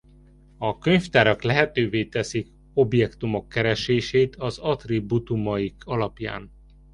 A könyvtárak lehetővé teszik objektumok keresését az attribútumaik alapján.